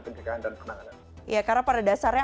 pencegahan dan penanganan ya karena pada dasarnya